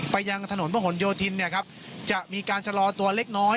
ยังถนนพระหลโยธินเนี่ยครับจะมีการชะลอตัวเล็กน้อย